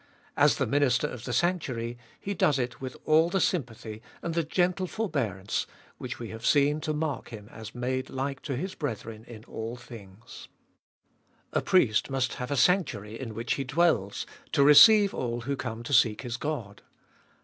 As the Minister of the sanctuary, He does it with all the sympathy and the gentle forbearance which we have seen to mark Him as made like to His brethren in all things. Gbe Iboltest of Bll 205 A priest must have a sanctuary in which he dwells, to receive all who come to seek his God.